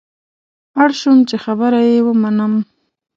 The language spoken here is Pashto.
اړ شوم چې خبره یې ومنم.